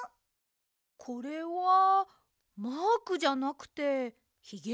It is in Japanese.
これはマークじゃなくてヒゲですね。